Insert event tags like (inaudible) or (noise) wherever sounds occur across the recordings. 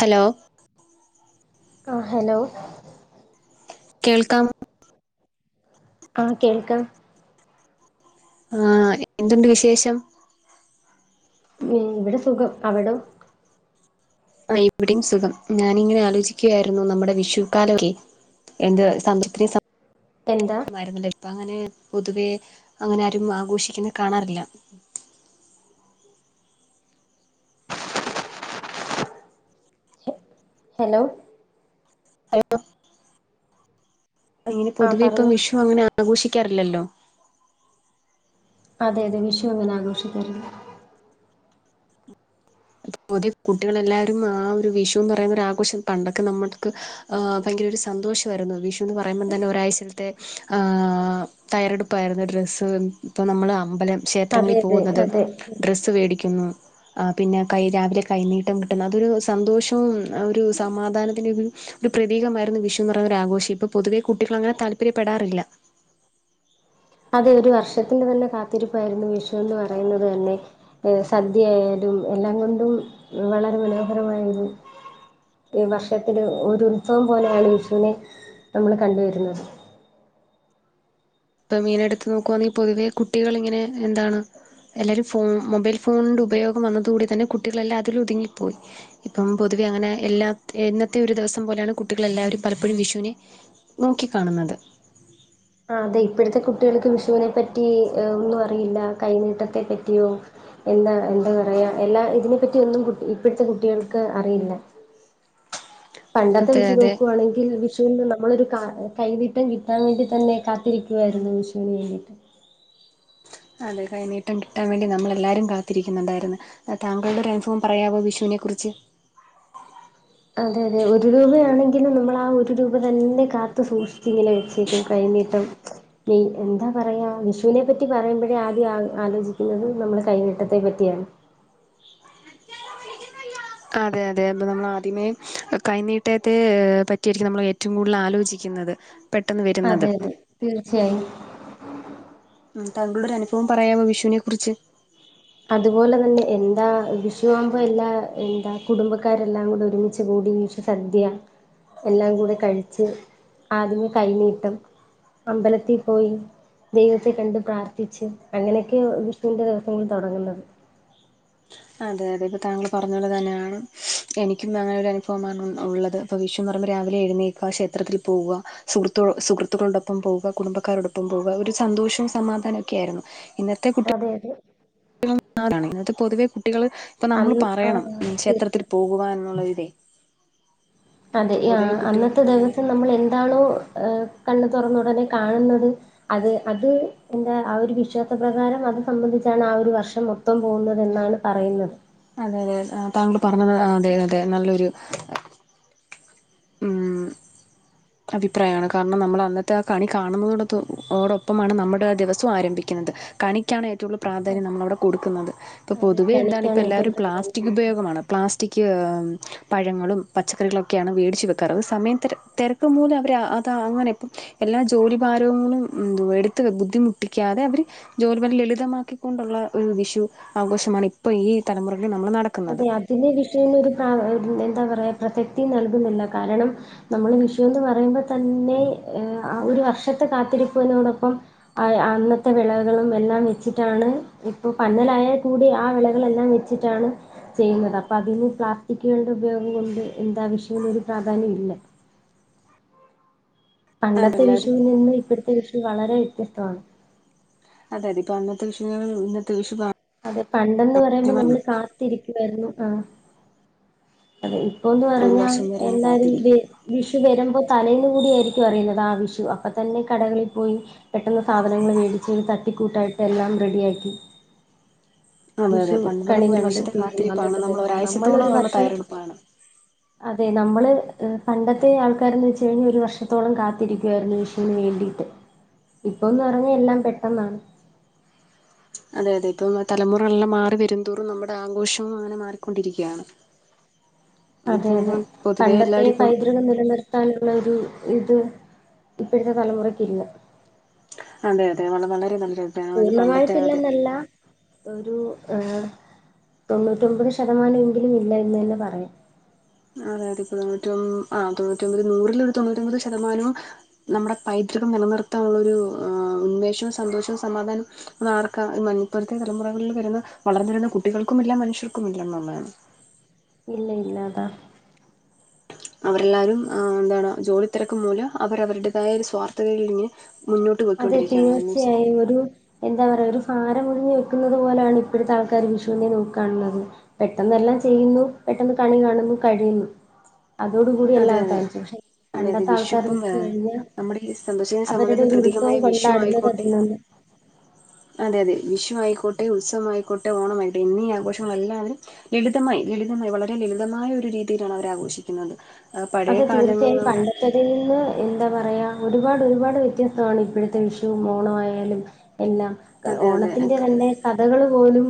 Hello ആ hello കേൾക്കാമോ ആഹ് കേൾക്കാം ആ എന്തുണ്ട് വിശേഷം? ഇവ്ടെ സുഖം അവിടോ? ആ ഇവിടെയും സുഖം ഞാനിങ്ങനെ ആലോചിക്കായ്ര്ന്നു നമ്മുടെ വിഷുക്കാലൊക്കെ എന്ത് (unintelligible) എന്താ വരുന്ന ടൈപ്പാ അങ്ങനെ പൊതുവെ അങ്ങനെ ആരും ആഘോഷിക്കുന്ന കാണാറില്ല ഹലോ അങ്ങനെ ആ പൊതുവെ ഇപ്പം പറഞ്ഞു വിഷു അങ്ങനെ ആഘോഷിക്കാറില്ലല്ലോ. അതെ അതെ വിഷു അങ്ങനെ ആഘോഷിക്കാറില്ല പുതിയ കുട്ടികളെല്ലാരും ആ ഒര് വിഷുന്ന് പറയുന്ന ഒരാ ആഘോഷം പണ്ടൊക്കെ നമ്മക്ക് ആ ഭയങ്കര ഒര് സന്തോഷവായ്ര്ന്നു വിഷുന്ന് പറയുമ്പോൾ തന്നെ ഒരാഴ്ചത്തെ ആ... തയ്യാറെടുപ്പായിര്ന്നു ഡ്രസ്സ് ഇപ്പം നമ്മള് അമ്പലം അതെ ക്ഷേത്രങ്ങളിൽ അതെ പോകുന്നത് അതെ ഡ്ര സ്സ് വേടിക്കുന്നു പിന്നെ കൈ രാവിലെ കൈനീട്ടം കിട്ടുന്ന അതൊരു സന്തോഷവും ഒര് സമാധാനത്തിന്റെയൊരു ഒര് പ്രതീകമായിരുന്നു വിഷുന്ന് പറഞ്ഞ ആഘോഷം ഇപ്പൊ പൊതുവെ കുട്ടികള് അങ്ങനെ താല്പര്യപ്പെടാറില്ല. അതെ ഒരു വർഷത്തിന്റെ തന്നെ കാത്തിരിപ്പായ്ര്ന്നു വിഷു എന്ന് പറയുന്നത് തന്നെ ഏഹ് സദ്യയയാലും എല്ലാം കൊണ്ടും വളരെ മനോഹരമായൊരു ഈ വർഷത്തിൽ ഒര് ഉത്സവം പോലെയാണ് വിഷുനെ നമ്മള് കണ്ട് വരുന്നത് ഇപ്പൊ (unintelligible) എടുത്ത് നോക്കുവാന്നെങ്കില് പൊതുവെ കുട്ടികൾ ഇങ്ങനെ എന്താണ് എല്ലാവരും ഫോൺ മൊബൈൽ ഫോണിന്റെ ഉപയോഗം വന്നതോടി തന്നെ കുട്ടികളെല്ലാം അതിൽ ഒതുങ്ങിപ്പോയി ഇപ്പം പൊതുവെ അങ്ങനെ എല്ലാ എന്നത്തെ ഒര് ദിവസം പോലെയാണ് കുട്ടികൾ എല്ലാവരും പലപ്പോഴും വിഷുവിനെ നോക്കി കാണുന്നത്. ആ അതെ ഇപ്പഴ്ത്തെ കുട്ടികൾക്ക് വിഷുവിനെ പറ്റി ഒന്നും അറിയില്ല കൈനീട്ടത്തെ പറ്റിയും എന്താ എന്താ പറയ എല്ലാ ഇതിനെപ്പറ്റിയൊന്നും കു ഇപ്പഴ്ത്തെ കുട്ടികൾക്ക് അറിയില്ല പണ്ടത്തെ അതെ വെച്ച് അതെ നോക്കുവാണെങ്കിൽ വിഷു പിന്നെ നമ്മളൊരു ക കൈനീട്ടം കിട്ടാൻ വേണ്ടി തന്നെ കാത്തിരിക്കുവാരുന്നു വിഷുവിന് വേണ്ടിട്ട് അതെ കൈനീട്ടം കിട്ടാൻ വേണ്ടി നമ്മളെല്ലാരും കാത്തിരിക്കുന്നുണ്ടായിരുന്നു. താങ്കളുടെ ഒരനുഭവം പറയാവോ വിഷുവിനെ കുറിച്ച് അതെ അതെ ഒരു രൂപയാണെങ്കിലും നമ്മള് ആ ഒരു രൂപ തന്നെ കാത്തു സൂക്ഷിച്ചിങ്ങനെ വെച്ചേക്കും കൈന്നീട്ടം (unintelligible) എന്താ പറയാ വിഷുവിനെ പറ്റി പറയുമ്പഴേ ആദ്യം ആ ആലോചിക്കുന്നത് നമ്മള് കൈനിട്ടത്തെ പറ്റിയാണ്. അതെ അതെ അന്ന് നമ്മള് ആദ്യമേ കൈനീട്ടത്തെ പറ്റിയാരിക്കും നമ്മള് ഏറ്റവും കൂടുതൽ ആലോചിക്കുന്നത്. പെട്ടൊന്ന് വെരുന്നത് അതെ അതെ തീർച്ചയായും ഉം തങ്കളുടെ ഒരനുഭവം പറയാവോ വിഷുവിനെ കുറിച്ച്? അതുപോലെ തന്നെ എന്താ വിഷുവാകുമ്പോ എല്ലാ എന്താ കുടുംബക്കാരെല്ലാം കൂടെ ഒരുമിച്ച് കൂടി വിഷു സദ്യ എല്ലാം കൂടെ കഴിച്ച് ആദ്യമേ കൈനീട്ടം അമ്പലത്തി പോയി ദൈവത്തെ കണ്ട് പ്രാർത്ഥിച്ച് അങ്ങനെയൊക്കെ വിഷുവിന്റെ ദിവസങ്ങൾ തൊടങ്ങുന്നത് അതെ അതെ ഇപ്പം താങ്കള് പറഞ്ഞപോലെ തന്നെയാണ് എനിക്കും അങ്ങനെ ഒരുരനുഭവമാണ് ഉ ഉള്ളത് അപ്പോ വിഷുന്ന് പറയുമ്പോ രാവിലെ എഴുന്നേൽക്ക ക്ഷേത്രത്തിൽ പോവ്വ സുഹൃത്തു സുഹൃത്തുക്കളോടൊപ്പം പോവുക കുടുംബക്കാരോടൊപ്പം പോവുക ഒരു സന്തോഷവും സമാധാനം ഒക്കെയായ്രുന്നു ഇന്നത്തെ കുട്ടി അതെ അതെ (unintelligible) ഇന്നത്തെ പൊതുവെ കുട്ടികള് ഇപ്പം നമ്മള് അന്ന് ആ പറയണം ക്ഷേത്രത്തിൽ തീർച്ചയായും പോകുവന്നുള്ള ഒര് അതെ ആഹ് അന്നത്തെ അങ്ങനെ ദിവസം നമ്മള് എന്താണോ കണ്ണ് തുറന്ന ഉടനെ കാണുന്നത് അത് അത് എന്താ ആ ഒരു വിശ്വാസപ്രകാരം അത് സംബന്ധിച്ചാണ് ആ ഒര് വർഷം മൊ ത്തം പോകുന്നതെന്നാണ് പറയുന്നത്. അതെ അതെ താങ്കള് പറഞ്ഞത് അതെ അതെ നല്ലൊരു ഉം അഭിപ്രായാണ് കാരണം നമ്മള് അന്നത്തെ ആ കണി കാണുന്നദൊടപ്പം ആണ് നമ്മുടെ ദിവസം ആരംഭിക്കുന്നത് കണിക്കാണ് ഏറ്റവും കൂടുതൽ പ്രാധാന്യം അതെ നമ്മള് അവിടെ കൊടുക്കുന്നത് ഇപ്പൊ അതെ പൊതുവെ എന്താണ് കളിക്കാണ് ഏറ്റവും ഇപ്പല്ലാരും പ്രാധാന്യം പ്ലാസ്റ്റിക് നൽകുന്നത്. ഉപയോഗമാണ് പ്ലാസ്റ്റിക് പഴങ്ങളും പച്ചക്കറികളൊക്കെയാണ് വേടി ച് വെക്കാറ് സമയതെര തെരക്കും മൂലം അവര് അത അങ്ങനെ ഇപ്പം എല്ലാ ജോലി ഭാരങ്ങളും എടുത്ത് ബുദ്ധിമുട്ടിക്കാതെ അവര് ജോലി ലളിതമാക്കിക്കൊണ്ടുള്ള ഒരു വിഷു ആഘോഷമാണ് ഇപ്പൊ ഈ തലമുറകളിൽ നമ്മൾ നടക്ക അതെ അതിന്റെ (unintelligible) എന്താ പറയാ പ്രസക്തി നൽകുന്നില്ല കാരണം നമ്മള് വിഷുന്ന് പറയുമ്പോ തന്നെ ഒരു വർഷത്തെ കാത്തിരിപ്പിനോടൊപ്പം അന്നത്തെ വിളകളും എല്ലാം വെച്ചിട്ടാണ് ഇപ്പൊ പന്നലായാൽ കൂടി ആ വിളകളെല്ലാം വെ ച്ചിട്ടാണ് ചെയ്യുന്നത് അപ്പൊ അതിന് പ്ലാസ്റ്റിക്കുകളുടെ ഉപയോഗം കൊണ്ട് എന്താവശ്യന്നരു പ്രാധാന്യം ഇല്ല പണ്ടത്തെ അതെല്ലാവരും വിഷുവിൽ നിന്ന് ഇപ്പോയ്ത്തെ വിഷു വളരെ വ്യത്യസ്തമാണ് അതെ അതിപ്പൊ അന്നത്തെ വിഷു (unintelligible) ഇന്നത്തെ വിഷു അതെ പണ്ടന്ന് പറയുമ്പോ നമ്മള് കാത്തിരിക്കുവായിരുന്നു ആഹ് അതെ ഇപ്പൊന്ന് ഒരു പറഞ്ഞാൽ വർഷം വരെയാണ് എല്ലാരും വെ കാത്തിരിക്കും വിഷു വരുമ്പോ തലെന്നായിരിക്കും അറിയുന്നേ ആഹ് വിഷു അപ്പൊ തന്നെ കടകളിൽ പോയി പെട്ടെന്ന് സാധനങ്ങള് വേടിച്ച് ഒരു തട്ടിക്കൂട്ടായിട്ട് എല്ലാം റെഡിയാക്കി അതെ അതെ വിഷു പണ്ട് കണി പറയുമ്പോ ഒരു കണ്ട് വർഷത്തെ തിന്ന് അന്നത്തെ ദിവസം നമ്മള് ഒരു വർഷം പ്പാണ് അതെ നമ്മള് പണ്ടത്തെ ആൾക്കാരന്ന് വെച്ച് കഴിഞ്ഞാ ഒരു വർഷത്തോളം കാത്തിരിക്കുവായിരുന്നു വേണ്ടീട്ട് ഇപ്പൊന്ന് പറഞ്ഞാ എല്ലാം പെട്ടെന്നാണ് അതെ അതെ ഇപ്പം തലമുറളെല്ലാം മാറി വെരുന്തോറും നമ്മുടെ ആഘോഷവും അങ്ങനെ മാറിക്കൊണ്ടിരിക്കുകയാണ് അതെ ഇപ്പം അതെ പൊതുവെ പണ്ടത്തെ എല്ലാവരും പൈ ഇപ്പം നില നിർത്താനുള്ള ഒരു ഇത് ഇപ്പോഴത്തെ തലമുറയ്ക്കില്ല അതെ അതെ വള വളരെ നല്ല പൂർണമായിട്ടില്ലെന്നല്ല ഒരു തൊണ്ണൂറ്റൊമ്പത് ശതമാനം എങ്കിലും ഇല്ല എന്ന്എന്നെ പറയാം അതെ അതെ ഇപ്പൊ തൊണ്ണൂ ആ തൊണ്ണൂറ്റൊമ്പത് നൂറിൽ ഒരു തൊണ്ണൂറ്റി ഒമ്പത് ശതമാനവും നമ്മുടെ പൈതൃകം നിലനിർത്താനുള്ളൊരു ഉന്മേഷവും സന്തോഷവും സമാധാനവും അത് ആർക്കാ ഈ (unintelligible) തലമുറകളിൽ വരുന്ന വളർന്ന് വരുന്ന കുട്ടികൾക്കുമില്ല മനുഷ്യർക്കുമില്ല എന്നുള്ളതാണ് ഇല്ല ഇല്ല അതാ അവരെല്ലാവരും എന്താണ് ജോലി തെരക്ക് മൂലം അവര് അവരുടേതായ ഒരു സ്വാർത്ഥതയിൽ നി അതെ തീർച്ചയായും ഒരു എന്താ പറയാ ഒരു ഭാരം ഒഴിഞ്ഞു വെക്കുന്നത് പോലെയാണ് ഇപ്പോഴത്തെ ആൾക്കാര് വിഷുവിനെ നോക്കാനുള്ളത് പെട്ടെന്നെല്ലാം ചെയ്യുന്നു പെട്ടെന്ന് കണി കാണുന്നു കഴിയുന്നു അതോട് കൂടി എല്ലാം അതെ അതെ അവസാനിച്ചു പക്ഷെ അതെ അതെ പണ്ടത്തെ വിഷു ആൾക്കാര് ഇപ്പം വെച്ച് കഴിഞ്ഞാ നമ്മുടെ ഈ സന്തോഷത്തിന് അവരുടെ സമാധാനത്തിന് ഒരു ഉ പ്രതീകമായ ത്സവം വിഷു കൊണ്ടാടുന്നത് ആയിക്കോട്ടെ അതിനാലെ അതെ അതെ വിഷു ആയിക്കോട്ടെ ഉത്സവമായിക്കോട്ടെ ഓണമായിക്കോട്ടെ എന്നീ ആഘോഷങ്ങളല്ലാവരും ലളിതമായി ലളിതമായി വളരെ ലളിതമായ ഒരു രീതിയിലാണ് അവര് ആഘോഷിക്കുന്നത് ആ പഴയ അതെ കാലങ്ങള് തീർച്ചയായും (unintelligible) നിന്ന് എന്താ പറയാ ഒരുപാട് ഒരുപാട് വ്യത്യസ്തമാണ്. ഇപ്പോഴത്തെ വിഷുവും ഓണം ആയാലും. എല്ലാം അതെ ഓണത്തിന്റെ അതെ തന്നെ. കഥകൾ പോലും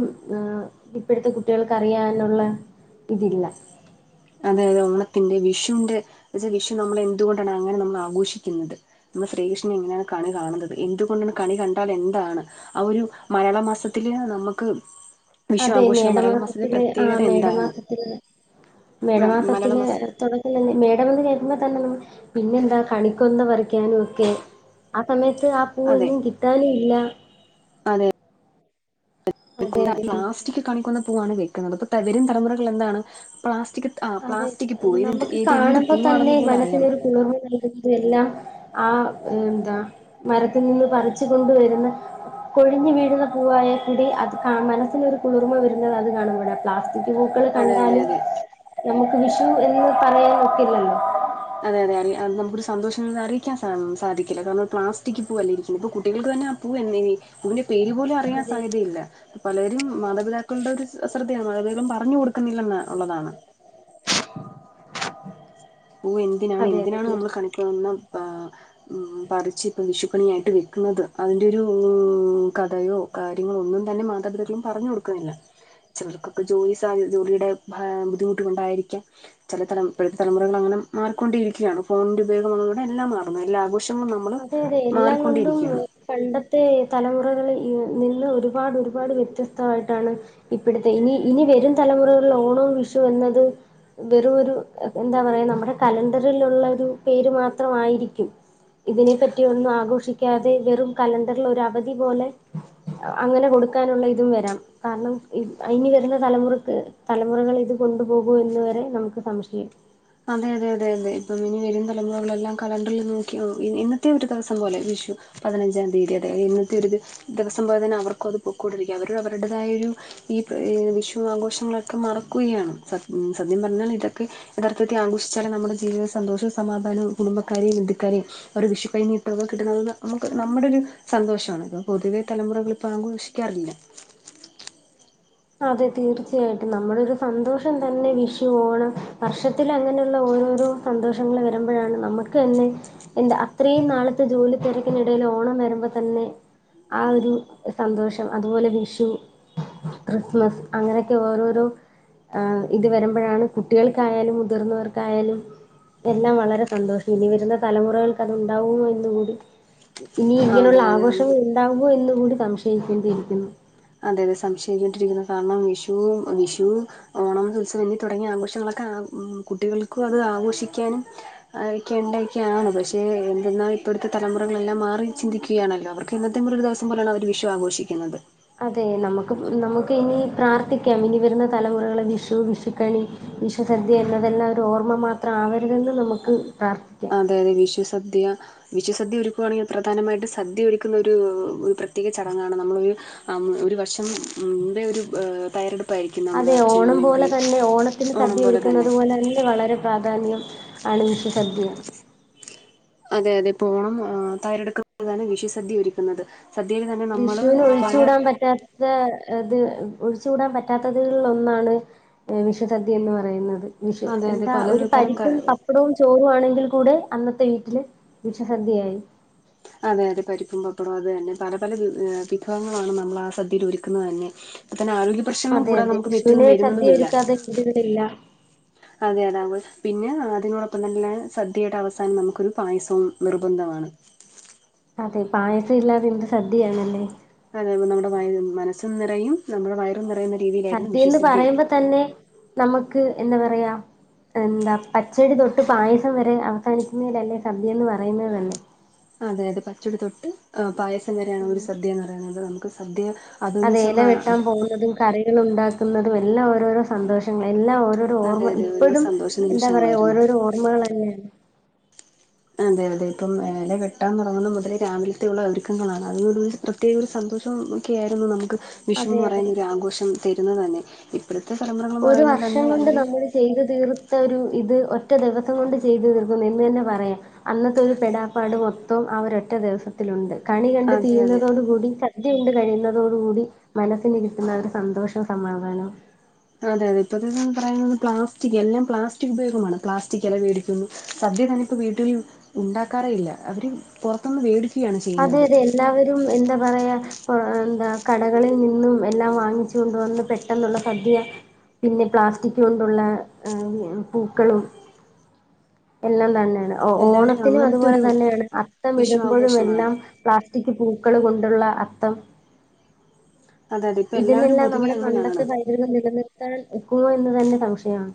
ഇപ്പോഴത്തെ കുട്ടികൾക്ക് അറിയാനുള്ള ഇതില്ല അതെത് ഓണത്തിന്റെ വിഷുന്റെച്ചാ വിഷു നമ്മളെ എന്തുകൊണ്ടാണ് അങ്ങനെ നമ്മള് ആഘോഷിക്കുന്നത് നമ്മൾ ശ്രീകൃഷ്ണൻ എങ്ങനെയാണ് കണി കാണുന്നത് എന്തുകൊണ്ടാണ് കണി കണ്ടാൽ എന്താണ് ആ ഒരു മലയാള മാസത്തില് നമുക്ക് വിഷു അതെ ആഘോഷിക്കാം മലയാള മാസത്തിന്റെ മേടമാസത്തില് ആഹ് പ്രത്യേകത എന്താണ് മേടമാസത്തില് ആ മലയാള മേടമാസത്തില് മാസം തുട അല്ലല്ലേ മേഡം എന്ന് കേൾക്കുമ്പോതന്നെ പിന്നെന്താ കണിക്കൊന്ന പറിക്കാനും ഒക്കെ ആ സമയത്ത് ആ പൂ അതെ എങ്ങും കിട്ടാനും ഇല്ല. അതെ അതെ (unintelligible) അതെ തീർച്ചയായും പ്ലാസ്റ്റിക് കാണിക്കൊന്ന പൂവാണ് വെക്കുന്നത്. പ്പ തരും തലമുറകളില് എന്താണ് പ്ലാസ് അതെ നമുക്ക് കാണുമ്പോ തന്നെ പൂവാണെന്ന് പോലും മനസ്സിന് അറിയാം ഒരു കുളിർമ നൽകുന്നതും എല്ലാം ആ എന്താ മരത്തിൽ നിന്ന് പറിച്ച് കൊണ്ട് വരുന്ന കൊഴിഞ്ഞു വീഴുന്ന പൂവായൽ കൂടി അത് കാ മനസ്സിനൊരു കുളിർമ വരുന്നത് അത് കാണും പോഴ. പ്ലാസ് പൂക്കൾ അതെ അതെ കണ്ടാലും അതെ നമുക്ക് വിഷു എന്ന് പറയൻ ഒക്കില്ലല്ലോ. അതെ അതെ അ അത് നമുക്കരു സന്തോഷം അറിക്കാൻ സാധിക്കില്ല. കാരണം പലസ്റ്റിക് പൂവല്ലോ. ഇരിക്കുന്നു ഇപ്പ കുട്ടികൾക്ക് തന്നെ പൂ എന്തിന് ഇതിന്റെ പേര് പോലും അറിയാൻ അതെ സാധ്യതയില്ല. പലരും മാതാപിതാക്കളുടെ ഒരു അശ്രദ്ധയാണ്. മാതാപിതാക്കളും പറഞ്ഞു കൊടുക്കുന്നില്ലെന്ന ഉള്ളതാണ്. (inaudible) പൂ എന്തിനാണ് അതെ അതെ എന്തിനാണ് നമ്മള് തീർച്ചയായും കണിക്കൊന ആ പറിച്ച് ഇപ്പ വിഷുപ്പണിയായിട്ട് വെക്കുന്നത്. അതിന്റെ ഒരു കഥയോ കാര്യങ്ങളോ ഒന്നും തന്നെ മാതാപിതാക്കളും പറഞ്ഞു കൊടുക്കുന്നില്ല. ചിലർക്കൊക്കെ ജോലി സാധ്യ ജോലിയുടെ ബുദ്ധിമുട്ട് കൊണ്ടായിരിക്കാം. ചില തലം തലമു അങ്ങനെ മാറിക്കൊണ്ടരിക്കയാണ്. ഫോണിന്റെ ഉപയോഗം വന്നതോടെ എല്ലാം മാറുന്നു എല്ലാ ആഘോ (unintelligible) നമ്മള് അതെ അതെ എല്ലാം കൊണ്ടും മാറിക്കൊണ്ടിരിക്കുകയാണ്. പണ്ടത്തെ തലമുറകൾ നിന്ന് ഒരുപാട് ഒരുപാട് വ്യത്യസ്തമായിട്ടാണ്. ഇപ്പോഴത്തെ ഇനി ഇനി വരും തലമുറകളില് ഓണോമ്, വിഷു എന്നത്. വെറുംരു എന്താ പറയാ നമ്മുടെ കലണ്ടറിൽലുള്ള ഒരു പേര് മാത്രം ആയിരിക്കും. ഇതിനെ പറ്റി ഒന്നും ആഘോഷിക്കാതെ വെറും കലണ്ടറിൽ ഒരു അവധി പോലെ അങ്ങനെ കൊടുക്കാനുള്ള ഇതും വരാം കാരണം ഇനി വരുന്ന തലമുറക്ക്. തലമുറകൾ ഇത് കൊണ്ടുപോകും എന്ന് വരെ നമുക്ക് സംശയം അതെ അതെ അതെ അതെ ഇപ്പം ഇനി വരും തലമുറകളെല്ലാം കലണ്ടറിൽ നോക്കി ഓ എന്നത്തെ ഒരു ദിവസം പോലെ വിഷു. പതിനഞ്ചാം തീയതി. അതായത് ഇന്നത്തെ ഒരു ദിവസം പോലെ തന്നെ അവർക്കും അത് പൊക്കൂടിരിക്കും. അവര അവരുടേതായരു ഈ വിഷു ആഘോഷങ്ങളൊക്കെ മറക്കുകയാണ്. സത് സത്യം പറഞ്ഞാൽ ഇതൊക്കെ യഥാർത്ഥത്തി ആഘോഷിച്ചാല് നമ്മുടെ ജീവിതം സന്തോഷവും, സമാധാനവും കുടുംബക്കാരെയും, ബന്ദുക്കാരെയും ഒരു വിഷു കൈന്നിട്ടം കിട്ടുന്നത്ത് നമുക്ക് നമ്മുടെ ഒരു സന്തോഷമാണ് ഇത് പൊതുവെ തലമുറകള് ഇപ്പ ആഘോഷിക്കാറില്ല. അതെ തീർച്ചയായിട്ടും നമ്മളൊരു സന്തോഷം തന്നെ വിഷു, ഒണം, വർഷത്തി അങ്ങനെയുള്ള ഓരോരോ സന്തോഷങ്ങൾ വരുമ്പോഴാണ് നമുക്ക് തന്നെ. എന്താ അത്രയും നാളത്തെ ജോലി തിരക്കിനിടൽ ഓണം വരുമ്പോ തന്നെ. ആ ഒരു സന്തോഷം. അതുപോലെ വിഷു ക്രിസ്മസ് അങ്ങനെയൊക്കെ ഓരോരോ ആ ഇത് വരുമ്പോഴാണ് കുട്ടികൾക്കായാലും മുതിർന്നവർക്കായാലും. എല്ലാം വളരെ സന്തോഷം ഇനി വരുന്ന തലമുറകൾക്ക് അതു ഉണ്ടാവുമോ എന്നന്ന്കൂടി ഇനി ഇങ്ങനെയുള്ള അതെ അതെ ആഘോഷം നമുക്ക് ഉണ്ടാാവുമോ എന്ന് കൂടി സംശയിക്കേണ്ടിയിരിക്കുന്നു. അതെ അതെ സംശയികണ്ടിരിക്കുന്നു കാരണം വിഷു വിഷു ഓണം, ഉത്സവം, എന്നി തുടങ്ങിയ ആഘോഷങ്ങളൊക്കെ കുട്ടികൾക്കും അത് ആഘോഷിക്കാനും ആരെക്കെ ഇണ്ടായിക്കാണ് പക്ഷേ എന്തെന്നാ ഇപ്പഴത്തെ തലമുറകളെല്ലാം മാറി ചിന്തിക്കുകയാണല്ലോ അവർ കിന്നത്തെപോലൊരു ദിവസം പോലാണ് അവര് വിഷു ആഘോഷിക്കുന്നത്. അതെ നമുക്ക് നമുക്ക് ഇനി പ്രാർത്ഥിക്കാം ഇനി വരുന്ന തലമുറകൾ വിഷു വിഷുക്കണി വിശുസദ്യ എന്നത് എല്ലാരും ഒരു ഓർമ്മ മാത്രം ആവരുതെന്ന് നമുക്ക് പ്രാർത്ഥി അതയത് വിഷു സദ്യയ. വിഷു സദ്യ ഒരുക്കുകയാണെങ്കിൽ പ്രധാനമായിട്ട് സദ്യ ഒരുക്കുന്ന ഒരു ഒരു പ്രത്യേക ചടങ്ങാണ്. നമ്മളൊരു ആ ഒരു വർഷം ഉ് ഒരു തയ്യറെടുപ്പ അതെ ഓണം പോലെ തന്നെ ഓണത്തിന് ഓണം സദ്യ ഒരുക്കുന്നത്. തന്നെ പോലെ തന്നെ വളരെ പ്രാധാന്യം. അണു വിഷ സദ്യയ. അതെ അതെ ഓണം തയ്യാറെടുക്കുന്നതാണ് വിഷു സദ്യ ഒരുരിക്കുന്നത്. സദ്യയിൽ തനൊ വിഷുവിന് ഒഴിച്ചുടാൻ പറ്റാ ത് (unintelligible) ഒഴിച്ചുകൂടാൻ പറ്റാത്തതിൽ ഒന്നാണ്. എഹ് വിഷു സദ്യ എന്ന് പറയുന്നത്. വിഷു അതെ അതെ എന്താ ഒരു പലതരം ക പരിപും, പപ്പടവും ചോ ചോറും ആണെങ്കിൽ കൂടെ അന്നത്തെ വീട്ടില്. വിഷുസദ്യയായി അതെ അതെ പരിപ്പും പപ്പടവും. അത് തന്നെ പല പല വി വിഭവങ്ങളാണ്. നമ്മൾ ആ സദ്യയില് ഒരുക്കുന്നത് തന്നെ. അപ്പതന്നെ ആരോഗ്യ പ്രശ്നങ്ങളും. കൂടെ നമുക്ക് പറ്റന്നു വരുന്നൊന്നുംമില്ല. ഇത് വിടില്ല. അതെ അതാവുമ്പോ പിന്നെ അതിനോടൊപ്പം തന്നെ. സദ്യയുടെ അവസാനം നമുക്കൊരു പായസവും നിർബന്ധമാണ്. അതെ പായസം ഇല്ലാതെ എന്ത് സദ്യയാണല്ലേ? അതെ നമ്മുടെ വയ് മനസും നിറയും നമ്മുടെ വയറും നിറയുന്ന രീതിയിലായിരുന്നു സദ്യന്ന് വിഷുസദ്യയൊക്കെ പറയുമ്പോ തന്നെ നമുക്ക് എന്താ പറയാ. എന്താ പച്ചടി തൊട്ട് പായസം വരെ അവസാനിക്കുന്നതിലല്ലേ. സദ്യ എന്ന് പറയുന്നത് തന്നേ. അതെ അതെ പച്ചടി തൊട്ട് ആഹ് പായസം വരെയാണ്. ഒരു ഉം. സദ്യ എന്ന് പറയുന്നത്. നമുക്ക് സദ്യ അതെന്ന് അതെ വെച്ചാൽ ഇല നമ്മൾ വെട്ടാൻ പോകുന്നതും. കറികൾ ഉണ്ടാക്കുന്നതും. എല്ലാ ഓരോരോ സന്തോഷങ്ങൾ എല്ലാ ഓരോ അതെ ഓർമ്മ അതെ ഒരു ഇപ്പോഴും സന്തോഷ എന്താ പറയാ നിമിഷങ്ങളായിരുന്നു ഓരോരോ ഓർമ്മകളെന്നെയാണ്. അതെ അതെ ഇപ്പം എല വെട്ടാൻ തുടങ്ങുന്ന മുതലേ രാവിൽത്തെയുള്ള ഒരുക്കങ്ങളാണ്. അതി പ്രത്യേക ഒരു സന്തോഷം ഒക്കെ ആയിരുന്നു നമുക്ക് വിഷു അതെ എന്ന് അതെ പറയുന്ന ഒരു ആഘോഷം തരുന്നത് തന്നെ. ഏഹ് (unintelligible) ത്തെ തലമുറകളെന്ന് ഒരു പറയുമ്പോൾ വർഷം തന്നെ. കൊണ്ട് യവര് നമ്മൾ ചെയ്തു തീർത്ത ഒരു ഇത് ഒറ്റ ദിവസം കൊണ്ട് ചെയ്തു തീർക്കുന്നു എന്ന് തന്നെ പറയാം. അന്നത്തെ ഒരു പെടാപ്പാട് മൊത്തവും ആ ഒരൊറ്റ ദിവസത്തിലുണ്ട്. കണി കണ്ട് അതെ അതെ തീരുന്നതോടു കൂടി ച സദ്യയുണ്ട് കഴിയുന്നതോടുകൂടി മനസ്സിലിരിക്കുന്ന ആ ഒരു സന്തോഷവും സമാധാനവും. അതെ അതെ ഇപ്പോത്തെ പറയുന്നത് പ്ലാസ്റ്റിക് എല്ലാം പ്ലാസ്റ്റിക് ഉപയോഗമാണ്. പ്ലാസ്റ്റിക് എല വേടിക്കുന്നു. സദ്യ ഞാനിപ്പോ വീട്ടിൽ ഉണ്ടാക്കാറേയില്ല. അവര് പുറത്തുന്ന് വേടിക്കുകയാണ് അതെ ചെയ്യുന്നത്. അതെ എല്ലാവരും എന്താ പറയ പ്പോഹ് എന്താ കടകളിൽ നിന്നും എല്ലാം വാങ്ങിച്ചു കൊണ്ട് വന്ന് പെട്ടെന്നുള്ള സദ്യ. പിന്നെ പ്ലാസ്റ്റിക് കൊണ്ടുള്ള ഏഹ് പൂക്കളും. എല്ലാം തന്നെയാണ് ഓഹ് എല്ലാവരും ഓണത്തിനും അങ്ങനത്തെ അതുപോലെ ഒരു തന്നെയാണ് അത്തം വിഷു ഇടുമ്പോഴും എ ആഘോഷമാണ് പ്ലാസ്റ്റിക് പൂക്കൾ കൊണ്ടുള്ള അത്തം. അതെ അതെ ഇപ്പൊ എല്ലാവരും ഇതിനെല്ലാം പൊതുവെ നമ്മുടെ പണ്ടത്തെ അങ്ങനെയാണ് പൈതൃകം നിലനിർത്താൻ ഒക്കുവോ എന്ന് തന്നെ സംശയാണ്.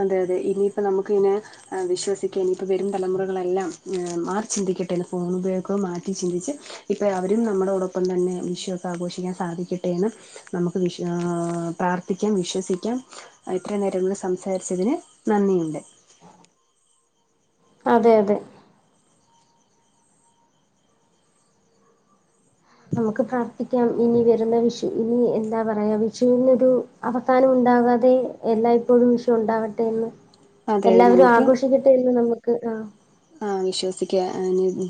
അതെ അതെ ഇനിയിപ്പൊ നമുക്ക് ഇനെ ആഹ് വിശ്വസിക്ക ഇനിയിപ്പോ വരും തലമുറകളെല്ലാം മാറി ചിന്തിക്കട്ടെന്ന് ഫോൺ ഉപയോഗം മാറ്റി ചിന്തിച്ച്. ഇപ്പൊ അവരും നമ്മടോടൊപ്പം തന്നെ വിഷുവൊക്കെ ആഘോഷിക്കാൻ സാധിക്കട്ടെയെന്ന്. നമുക്ക് വിഷ് പ്രാർത്ഥിക്കാം വിശ്വസിക്കാം എത്ര നേരകോട്. സംസാ സംസാരിച്ചതിന് നന്ദിയുണ്ട്. അതെ അതെ നമുക്ക് പ്രാർത്ഥിക്കാം ഇനി വരുന്ന വിഷു ഇനി എന്താ പറയാ വിഷുവിനൊരു അവസാനം ഉണ്ടാകാതെ എല്ലായ്പ്പോഴും വിഷു ഉണ്ടാവട്ടെന്ന്. അതെ എല്ലാവരും നമുക്ക് ആഘോഷിക്കട്ടെ എന്ന്. നമുക്ക് ആഹ് ആ വിശ്വസിക്ക ആഹ്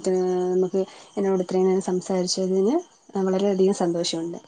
നമുക്ക് എന്നോട് ഇത്രയും നേരം സംസാരിച്ചതിന്. വളരെയധികം സന്തോഷമുണ്ട്.